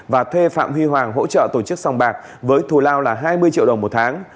và thuê phạm huy hoàng hỗ trợ tổ chức song bạc với thù lao là hai mươi triệu đồng một tháng